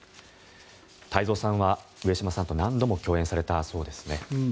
太蔵さんは上島さんと何度も共演されたそうですね。